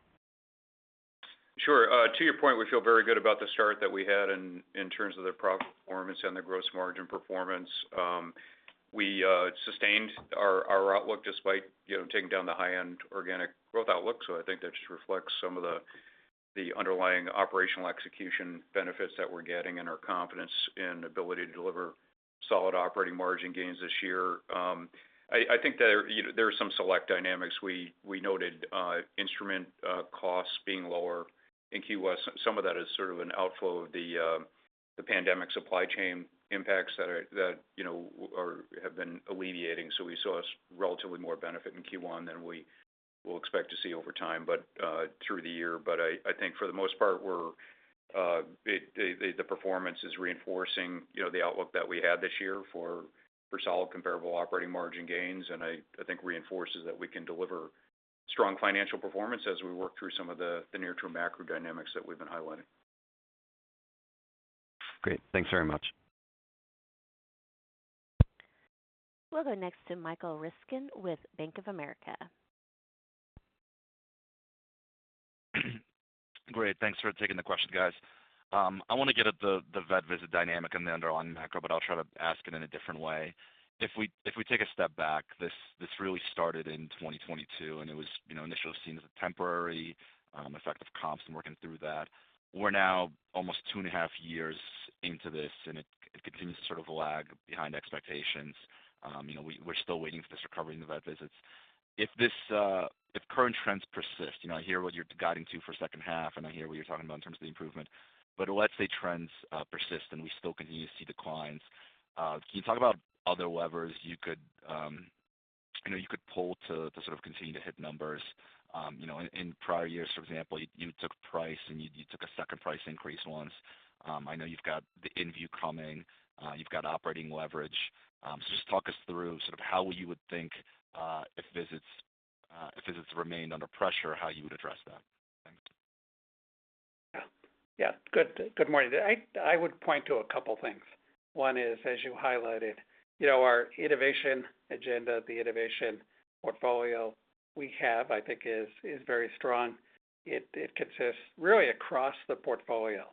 Sure. To your point, we feel very good about the start that we had in terms of the product performance and the gross margin performance. We sustained our outlook despite, you know, taking down the high-end organic growth outlook. So I think that just reflects some of the underlying operational execution benefits that we're getting and our confidence in ability to deliver solid operating margin gains this year. I think that, you know, there are some select dynamics. We noted instrument costs being lower in Q1. Some of that is sort of an outflow of the pandemic supply chain impacts that, you know, have been alleviating. So we saw a relatively more benefit in Q1 than we will expect to see over time, but through the year. But I, I think for the most part, the performance is reinforcing, you know, the outlook that we had this year for solid comparable operating margin gains, and I, I think reinforces that we can deliver strong financial performance as we work through some of the near-term macro dynamics that we've been highlighting. Great. Thanks very much. We'll go next to Michael Ryskin with Bank of America. Great, thanks for taking the question, guys. I want to get at the vet visit dynamic and the underlying macro, but I'll try to ask it in a different way. If we take a step back, this really started in 2022, and it was, you know, initially seen as a temporary effect of comps and working through that. We're now almost 2.5 years into this, and it continues to sort of lag behind expectations. You know, we're still waiting for this recovery in the vet visits. If current trends persist, you know, I hear what you're guiding to for second half, and I hear what you're talking about in terms of the improvement, but let's say trends persist, and we still continue to see declines. Can you talk about other levers you could pull to sort of continue to hit numbers? You know, in prior years, for example, you took price, and you took a second price increase once. I know you've got the inVue coming. You've got operating leverage. So just talk us through sort of how you would think if visits remained under pressure, how you would address that? Thanks. Yeah. Yeah. Good morning. I would point to a couple things. One is, as you highlighted, you know, our innovation agenda, the innovation portfolio we have, I think is very strong. It consists really across the portfolio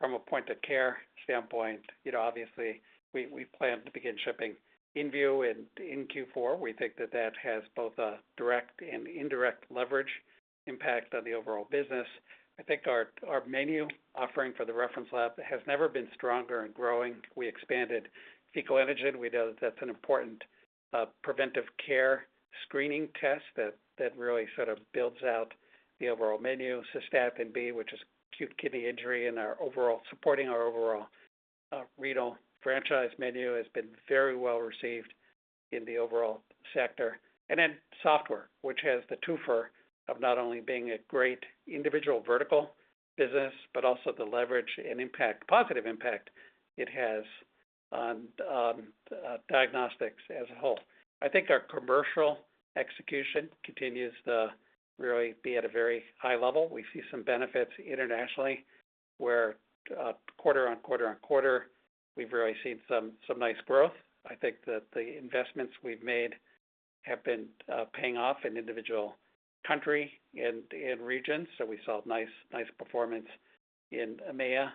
from a point of care standpoint. You know, obviously, we plan to begin shipping inVue Dx in Q4. We think that that has both a direct and indirect leverage impact on the overall business. I think our menu offering for the reference lab has never been stronger and growing. We expanded fecal antigen. We know that that's an important preventive care screening test that really sort of builds out the overall menu. Cystatin B, which is acute kidney injury, and our overall supporting our overall renal franchise menu, has been very well received in the overall sector. Then software, which has the twofer of not only being a great individual vertical business, but also the leverage and impact, positive impact it has on, diagnostics as a whole. I think our commercial execution continues to really be at a very high level. We see some benefits internationally, where, quarter on quarter on quarter, we've really seen some nice growth. I think that the investments we've made have been paying off in individual country and regions. So we saw nice performance in EMEA,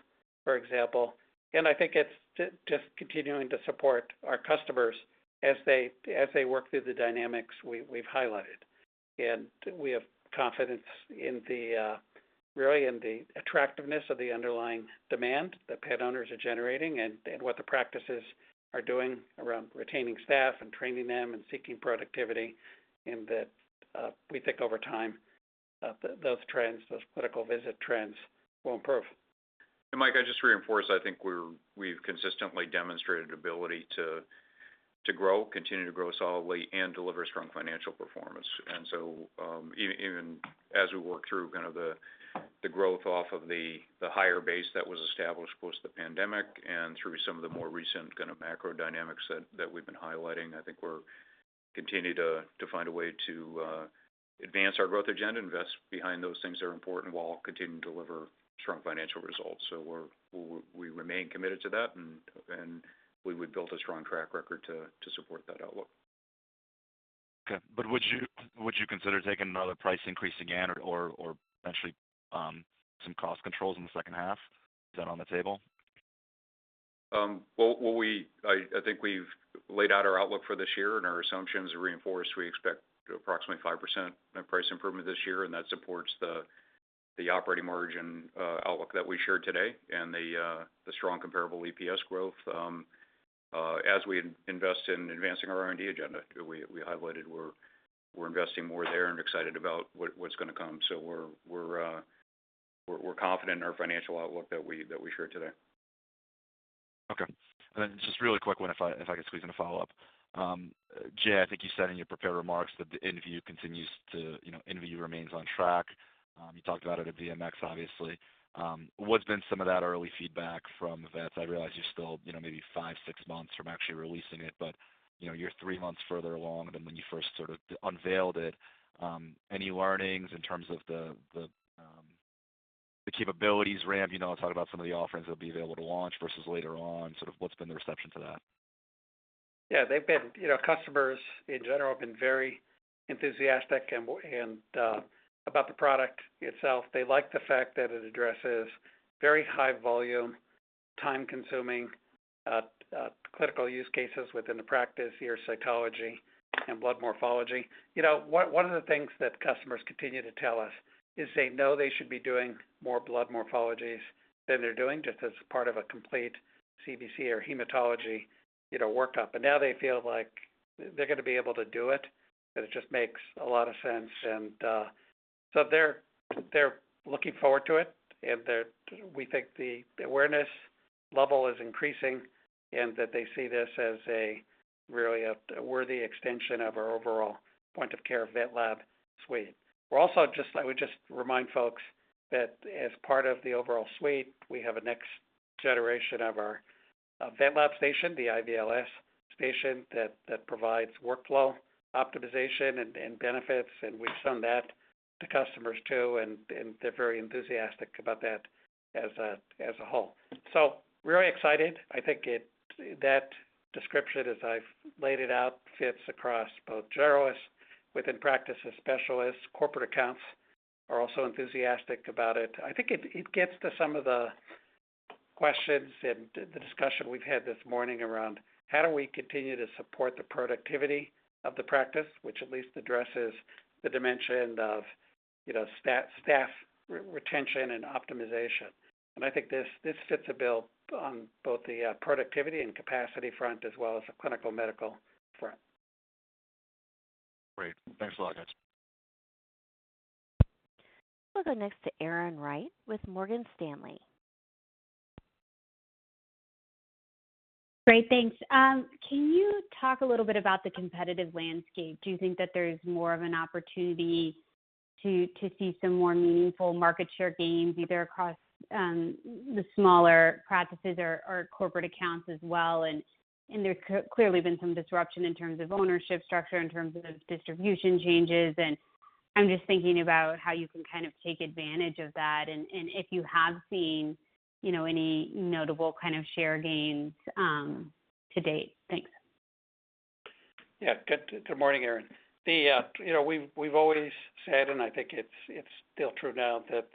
for example. I think it's just continuing to support our customers as they work through the dynamics we've highlighted. We have confidence in the really in the attractiveness of the underlying demand that pet owners are generating and, and what the practices are doing around retaining staff and training them and seeking productivity, and that we think over time those trends, those clinical visit trends will improve. And Mike, I just reinforce, I think we've consistently demonstrated ability to grow, continue to grow solidly and deliver strong financial performance. And so, even as we work through kind of the growth off of the higher base that was established post the pandemic and through some of the more recent kind of macro dynamics that we've been highlighting, I think we're continuing to find a way to advance our growth agenda, invest behind those things that are important, while continuing to deliver strong financial results. So we remain committed to that, and we've built a strong track record to support that outlook. Okay, but would you, would you consider taking another price increase again or, or potentially, some cost controls in the second half? Is that on the table? Well, I think we've laid out our outlook for this year, and our assumptions are reinforced. We expect approximately 5% price improvement this year, and that supports the operating margin outlook that we shared today and the strong comparable EPS growth. As we invest in advancing our R&D agenda, we highlighted we're investing more there and excited about what's gonna come. So we're confident in our financial outlook that we shared today. Okay. And then just really quick one, if I could squeeze in a follow-up. Jay, I think you said in your prepared remarks that the inVue continues to, you know, inVue remains on track. You talked about it at VMX, obviously. What's been some of that early feedback from vets? I realize you're still, you know, maybe five-six months from actually releasing it, but, you know, you're three months further along than when you first sort of unveiled it. Any learnings in terms of the capabilities ramp? You know, talk about some of the offerings that'll be available to launch versus later on, sort of what's been the reception to that? Yeah, they've been you know, customers, in general, have been very enthusiastic and about the product itself. They like the fact that it addresses very high volume, time-consuming clinical use cases within the practice, ear cytology and blood morphology. You know, one of the things that customers continue to tell us is they know they should be doing more blood morphologies than they're doing, just as part of a complete CBC or hematology workup. And so they're looking forward to it, and we think the awareness level is increasing, and that they see this as really a worthy extension of our overall point of care VetLab suite. We're also. I would just remind folks that as part of the overall suite, we have a next generation of our VetLab Station, the IDEXX VetLab Station, that provides workflow optimization, and benefits, and we've shown that to customers, too, and they're very enthusiastic about that as a whole. So we're very excited. I think that description, as I've laid it out, fits across both generalists within practices, specialists. Corporate accounts are also enthusiastic about it. I think it gets to some of the questions and the discussion we've had this morning around: How do we continue to support the productivity of the practice? Which at least addresses the dimension of, you know, staff retention and optimization. I think this, this fits the bill on both the productivity and capacity front, as well as the clinical medical front. Great. Thanks a lot, guys. We'll go next to Erin Wright with Morgan Stanley. Great, thanks. Can you talk a little bit about the competitive landscape? Do you think that there's more of an opportunity to see some more meaningful market share gains, either across the smaller practices or corporate accounts as well? And there's clearly been some disruption in terms of ownership structure, in terms of distribution changes, and I'm just thinking about how you can kind of take advantage of that, and if you have seen, you know, any notable kind of share gains to date. Thanks. Yeah. Good, good morning, Erin. The, you know, we've, we've always said, and I think it's, it's still true now, that,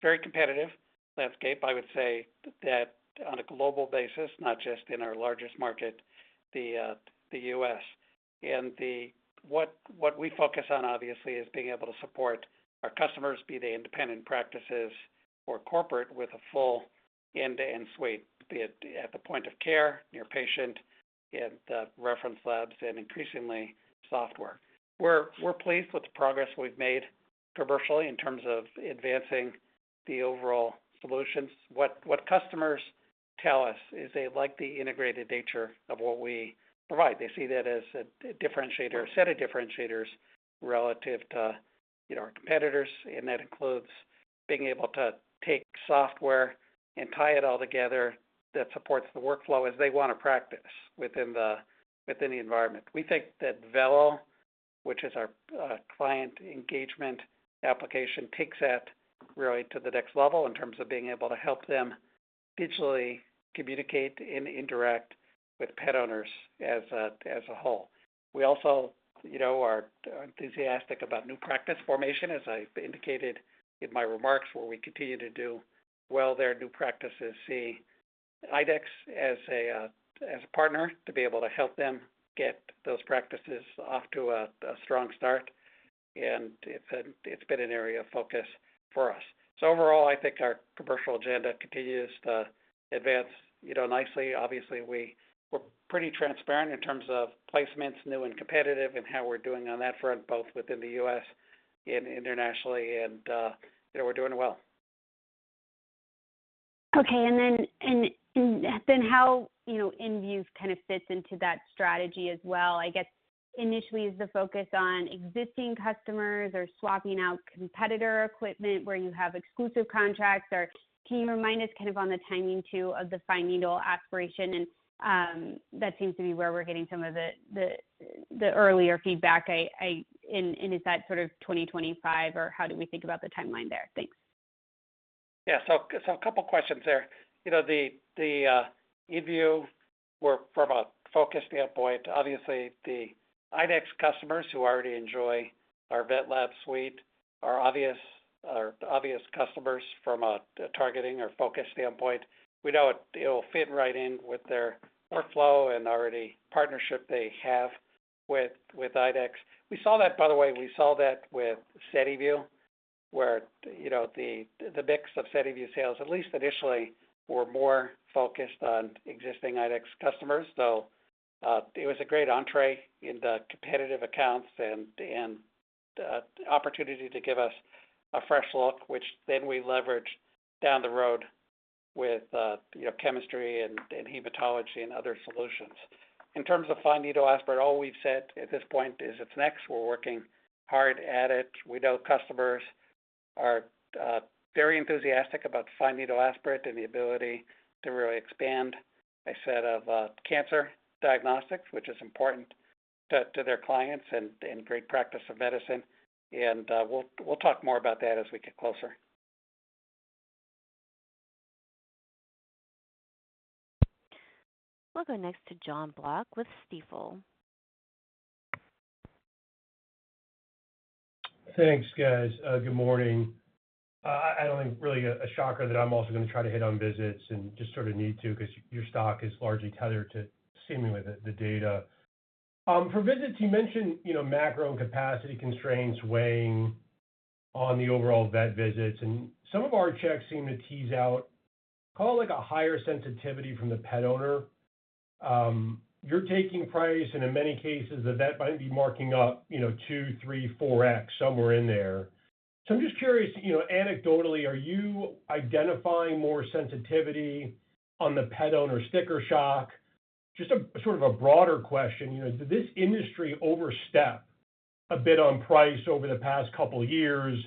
very competitive landscape, I would say that on a global basis, not just in our largest market, the, the U.S. And the—what, what we focus on, obviously, is being able to support our customers, be they independent practices or corporate, with a full end-to-end suite, be it at the point of care, near patient, and, reference labs, and increasingly, software. We're, we're pleased with the progress we've made commercially in terms of advancing the overall solutions. What, what customers tell us is they like the integrated nature of what we provide. They see that as a differentiator, a set of differentiators relative to, you know, our competitors, and that includes being able to take software and tie it all together that supports the workflow as they wanna practice within the environment. We think that Vello, which is our client engagement application, takes that really to the next level in terms of being able to help them digitally communicate and interact with pet owners as a whole. We also, you know, are enthusiastic about new practice formation, as I indicated in my remarks, where we continue to do well there. New practices see IDEXX as a partner, to be able to help them get those practices off to a strong start, and it's been an area of focus for us. So overall, I think our commercial agenda continues to advance, you know, nicely. Obviously, we're pretty transparent in terms of placements, new and competitive, and how we're doing on that front, both within the U.S. and internationally, and, you know, we're doing well. Okay, and then how, you know, inVue kind of fits into that strategy as well? I guess initially, is the focus on existing customers or swapping out competitor equipment where you have exclusive contracts, or can you remind us kind of on the timing, too, of the fine needle aspirate? And that seems to be where we're getting some of the earlier feedback. And is that sort of 2025, or how do we think about the timeline there? Thanks. Yeah. So, a couple questions there. You know, the inVue, from a focus standpoint, obviously, the IDEXX customers who already enjoy our VetLab suite are obvious customers from a targeting or focus standpoint. We know it, it'll fit right in with their workflow and already partnership they have with IDEXX. We saw that, by the way, with SediVue, where, you know, the mix of SediVue sales, at least initially, were more focused on existing IDEXX customers, though it was a great entree in the competitive accounts and opportunity to give us a fresh look, which then we leveraged down the road with, you know, chemistry and hematology and other solutions. In terms of fine needle aspirate, all we've said at this point is it's next. We're working hard at it. We know customers are very enthusiastic about fine needle aspirate and the ability to really expand a set of cancer diagnostics, which is important to their clients and great practice of medicine. We'll talk more about that as we get closer. We'll go next to Jonathan Block with Stifel. Thanks, guys. Good morning. I don't think really a shocker that I'm also gonna try to hit on visits and just sort of need to, 'cause your stock is largely tethered to seemingly the data. For visits, you mentioned, you know, macro and capacity constraints weighing on the overall vet visits, and some of our checks seem to tease out, call it, like, a higher sensitivity from the pet owner. You're taking price and in many cases, the vet might be marking up, you know, two, three, 4x, somewhere in there. So I'm just curious, you know, anecdotally, are you identifying more sensitivity on the pet owner sticker shock? Just sort of a broader question, you know, did this industry overstep a bit on price over the past couple years?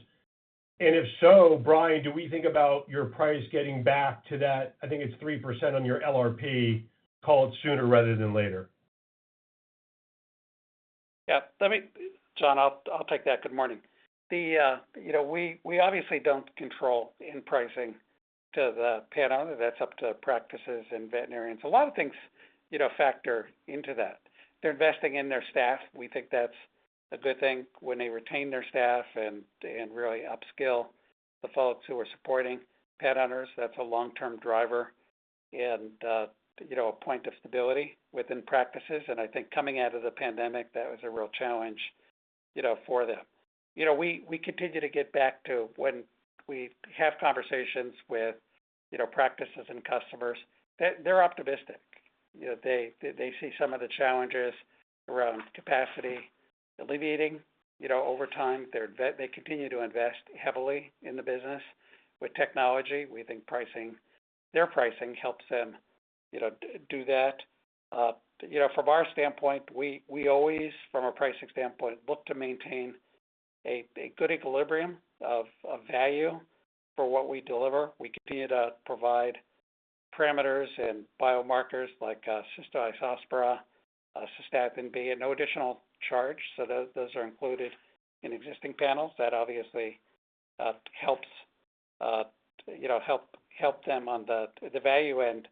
If so, Brian, do we think about your price getting back to that? I think it's 3% on your LRP, call it sooner rather than later? Yeah. Let me, John, I'll take that. Good morning. The, you know, we obviously don't control end pricing to the pet owner. That's up to practices and veterinarians. A lot of things, you know, factor into that. They're investing in their staff. We think that's a good thing when they retain their staff and really upskill the folks who are supporting pet owners. That's a long-term driver and, you know, a point of stability within practices. And I think coming out of the pandemic, that was a real challenge, you know, for them. You know, we continue to get back to when we have conversations with, you know, practices and customers, they're optimistic. You know, they see some of the challenges around capacity alleviating, you know, over time. They continue to invest heavily in the business with technology. We think pricing, their pricing helps them, you know, do that. You know, from our standpoint, we always, from a pricing standpoint, look to maintain a good equilibrium of value for what we deliver. We continue to provide parameters and biomarkers like Cystoisospora, Cystatin B, at no additional charge, so those are included in existing panels. That obviously, you know, helps them on the value end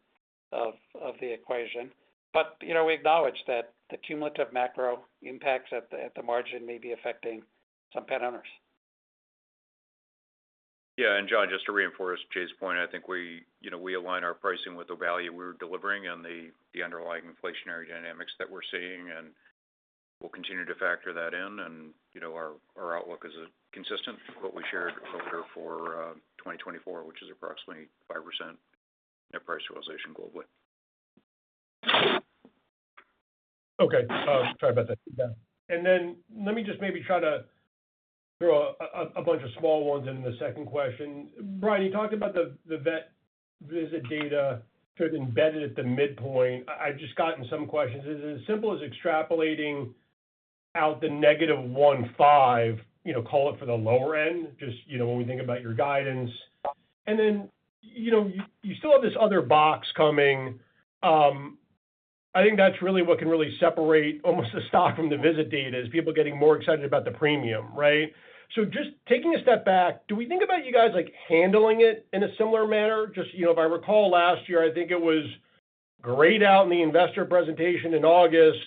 of the equation. But, you know, we acknowledge that the cumulative macro impacts at the margin may be affecting some pet owners. Yeah, and John, just to reinforce Jay's point, I think we, you know, we align our pricing with the value we're delivering and the, the underlying inflationary dynamics that we're seeing, and we'll continue to factor that in. And, you know, our, our outlook is consistent with what we shared earlier for 2024, which is approximately 5% net price realization globally. Okay. Sorry about that. And then let me just maybe try to throw a bunch of small ones in the second question. Brian, you talked about the vet visit data sort of embedded at the midpoint. I've just gotten some questions. Is it as simple as extrapolating out the -1.5, you know, call it, for the lower end, just, you know, when we think about your guidance? And then, you know, you still have this other box coming. I think that's really what can really separate almost the stock from the visit data, is people getting more excited about the premium, right? So just taking a step back, do we think about you guys, like, handling it in a similar manner? Just, you know, if I recall last year, I think it was grayed out in the investor presentation in August,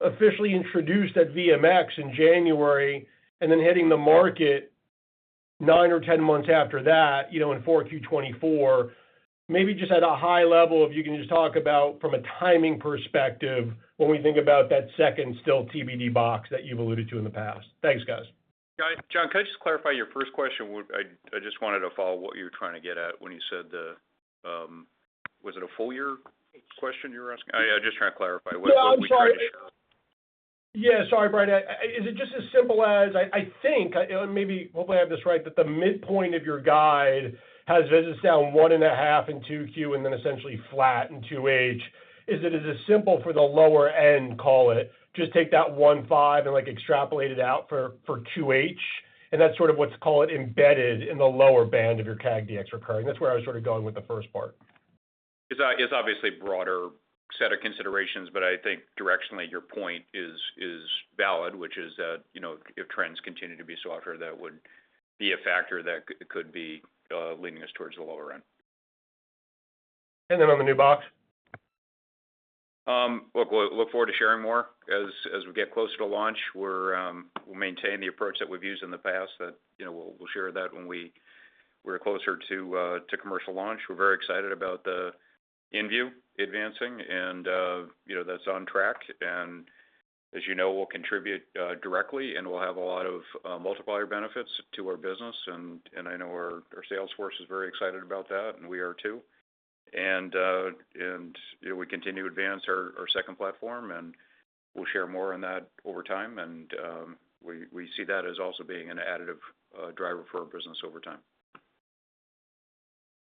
officially introduced at VMX in January, and then hitting the market nine or 10 months after that, you know, in 4Q 2024. Maybe just at a high level, if you can just talk about from a timing perspective, when we think about that second still TBD box that you've alluded to in the past. Thanks, guys. John, could I just clarify your first question? I just wanted to follow what you were trying to get at when you said the... Was it a full year question you were asking? I just trying to clarify what- No, I'm sorry. What we can share. Yeah, sorry, Brian. Is it just as simple as, I think, maybe, hopefully, I have this right, that the midpoint of your guide has visits down 1.5 in 2Q and then essentially flat in 2H. Is it as simple for the lower end, call it, just take that 1.5 and, like, extrapolate it out for 2H, and that's sort of what's, call it, embedded in the lower band of your CAG DX recurring? That's where I was sort of going with the first part. It's obviously a broader set of considerations, but I think directionally, your point is valid, which is that, you know, if trends continue to be softer, that would be a factor that could be leading us towards the lower end. And then on the new box? Look, we'll look forward to sharing more as we get closer to launch. We'll maintain the approach that we've used in the past, that you know, we'll share that when we're closer to commercial launch. We're very excited about the inVue advancing and you know, that's on track. And as you know, we'll contribute directly, and we'll have a lot of multiplier benefits to our business. And I know our sales force is very excited about that, and we are too. And yeah, we continue to advance our second platform, and we'll share more on that over time. And we see that as also being an additive driver for our business over time.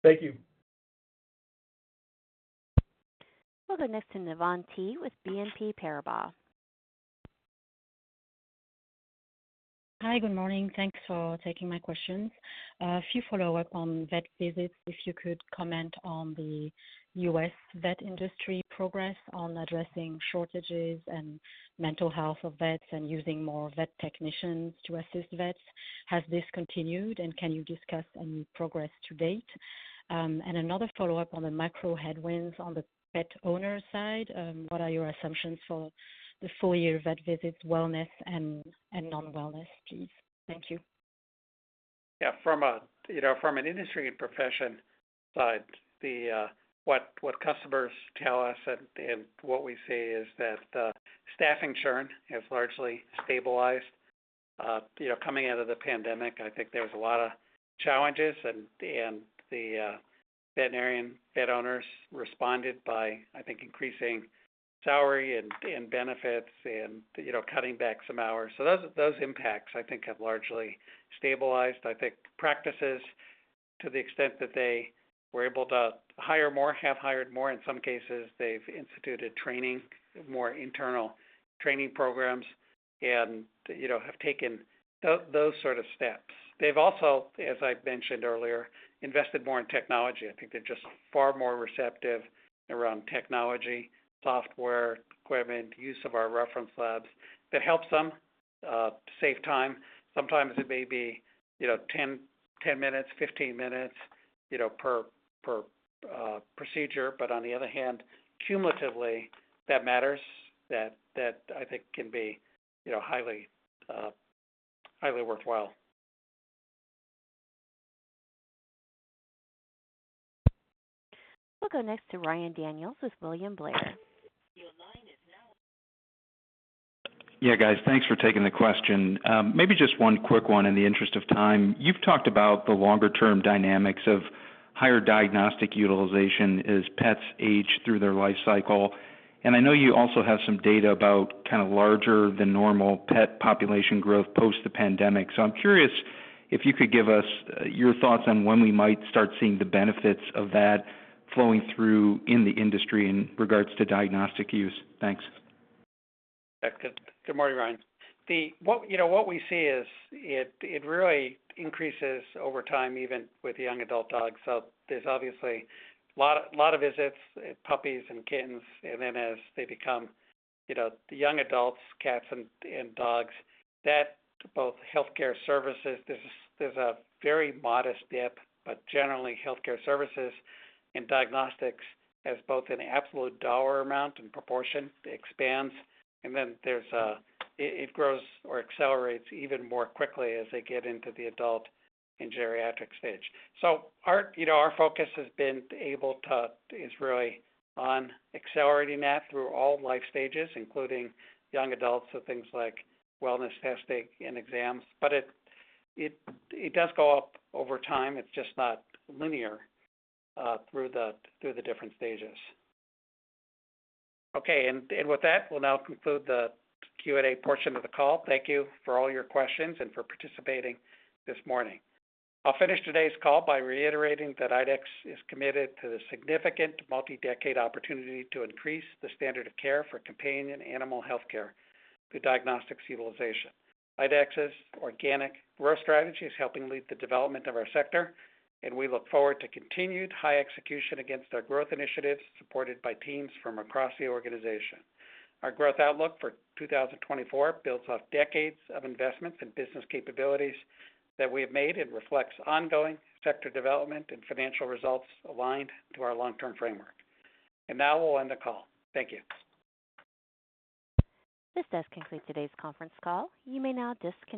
Thank you. We'll go next to Navann Ty with BNP Paribas. Hi, good morning. Thanks for taking my questions. A few follow-up on vet visits. If you could comment on the U.S. vet industry progress on addressing shortages and mental health of vets, and using more vet technicians to assist vets. Has this continued, and can you discuss any progress to date? Another follow-up on the macro headwinds on the pet owner side. What are your assumptions for the full year vet visits, wellness and non-wellness, please? Thank you. Yeah, from a, you know, from an industry and profession side, the, what, what customers tell us and, and what we see is that, staffing churn has largely stabilized. You know, coming out of the pandemic, I think there was a lot of challenges, and, and the, veterinarian, vet owners responded by, I think, increasing salary and, and benefits and, you know, cutting back some hours. So those, those impacts, I think, have largely stabilized. I think practices, to the extent that they were able to hire more, have hired more. In some cases, they've instituted training, more internal training programs and, you know, have taken those sort of steps. They've also, as I've mentioned earlier, invested more in technology. I think they're just far more receptive around technology, software, equipment, use of our reference labs. That helps them save time. Sometimes it may be, you know, 10, 10 minutes, 15 minutes, you know, per procedure. But on the other hand, cumulatively, that matters. That, I think, can be, you know, highly, highly worthwhile. We'll go next to Ryan Daniels with William Blair. Your line is now- Yeah, guys, thanks for taking the question. Maybe just one quick one in the interest of time. You've talked about the longer term dynamics of higher diagnostic utilization as pets age through their life cycle, and I know you also have some data about kind of larger than normal pet population growth post the pandemic. So I'm curious if you could give us your thoughts on when we might start seeing the benefits of that flowing through in the industry in regards to diagnostic use. Thanks. Good morning, Ryan. You know, what we see is it really increases over time, even with young adult dogs. So there's obviously a lot of visits, puppies and kittens, and then as they become, you know, the young adults, cats and dogs, that both healthcare services, there's a very modest dip. But generally, healthcare services and diagnostics as both an absolute dollar amount and proportion expands, and then it grows or accelerates even more quickly as they get into the adult and geriatric stage. So our, you know, our focus has been able to, is really on accelerating that through all life stages, including young adults, so things like wellness testing and exams. But it does go up over time. It's just not linear through the different stages. Okay, and, and with that, we'll now conclude the Q&A portion of the call. Thank you for all your questions and for participating this morning. I'll finish today's call by reiterating that IDEXX is committed to the significant multi-decade opportunity to increase the standard of care for companion animal healthcare through diagnostics utilization. IDEXX's organic growth strategy is helping lead the development of our sector, and we look forward to continued high execution against our growth initiatives, supported by teams from across the organization. Our growth outlook for 2024 builds off decades of investments in business capabilities that we have made and reflects ongoing sector development and financial results aligned to our long-term framework. And now we'll end the call. Thank you. This does conclude today's conference call. You may now disconnect.